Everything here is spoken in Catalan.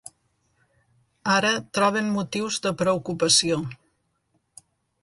Ara troben motius de preocupació.